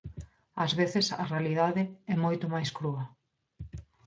Ás veces a realidade é moito máis crúa.